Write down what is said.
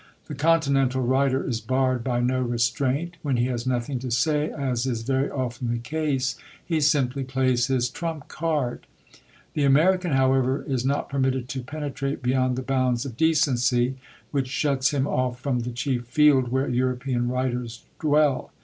The Continental writer is barred by no restraint; when he has nothing to say, as is very often the case, he simply plays his trump card. The American, however, is not permitted to penetrate beyond the bounds of decency; which shuts him off from the chief field where European writers dwell.